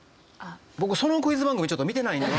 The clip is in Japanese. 僕そのクイズ番組ちょっと見てないんで。